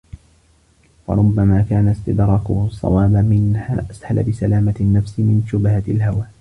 فَرُبَّمَا كَانَ اسْتِدْرَاكُهُ الصَّوَابَ مِنْهَا أَسْهَلَ بِسَلَامَةِ النَّفْسِ مِنْ شُبْهَةِ الْهَوَى